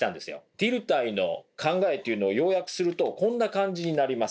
ディルタイの考えというのを要約するとこんな感じになります。